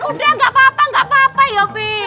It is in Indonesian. udah gak apa apa gak apa apa yobi